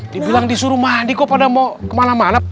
dibilang disuruh mandi kok pada mau kemana mana